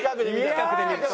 近くで見ると？